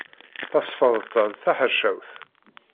Tasfeḍt-a d taḥercawt.